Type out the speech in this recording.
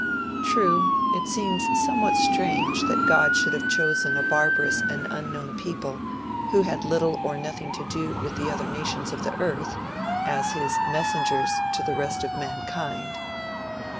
True, it seems somewhat strange that God should have chosen a barbarous and unknown people who had little or nothing to do with the other nations of the earth, as his messengers to the rest of mankind.